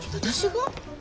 私が？